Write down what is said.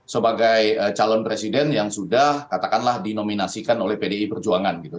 sebagai calon presiden yang sudah katakanlah dinominasikan oleh pdi perjuangan gitu